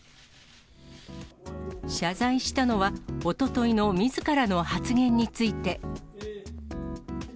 謝罪したのは、おとといのみずからの発言について。